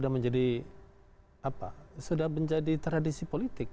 karena itu sudah menjadi tradisi politik